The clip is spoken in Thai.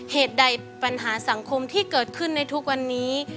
เหตุใดปัญหาสังคมที่เกิดขึ้นในทุกวันนี้